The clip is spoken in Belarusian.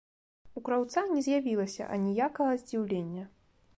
У краўца не з'явілася аніякага здзіўлення.